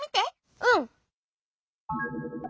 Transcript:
うん！